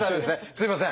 すいません！